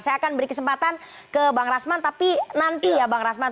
saya akan beri kesempatan ke bang rasman tapi nanti ya bang rasman